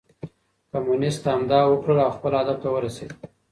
کمونيسټ همداسې وکړل او خپل هدف ته ورسېد.